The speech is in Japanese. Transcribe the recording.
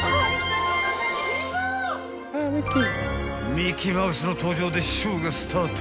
［ミッキーマウスの登場でショーがスタート］